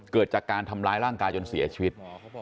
เกิดจากการทำร้ายร่างกายจนเสียชีวิต